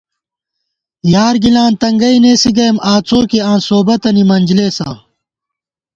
یارگِلاں تنگَئ نېسِی گئیم آڅوکے آں سوبَتَنی منجلېسہ